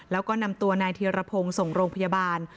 แล้วก็นำตัวนายเทียรพงศ์ส่งโรงพยาบาล